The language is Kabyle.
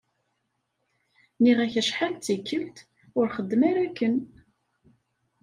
Nniɣ-ak-d acḥal d tikelt, ur xeddem ara akken.